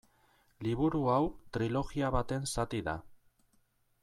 Liburu hau trilogia baten zati da.